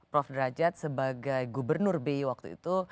prof derajat sebagai gubernur bi waktu itu